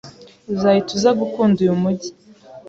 Uzahita uza gukunda uyu mujyi.